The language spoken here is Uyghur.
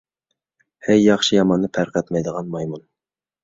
ھەي، ياخشى - ياماننى پەرق ئەتمەيدىغان مايمۇن!